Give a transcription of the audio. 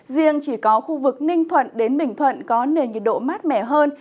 riêng chỉ có khu vực ninh thuận đến bình thuận có nền nhiệt độ mát mẻ hơn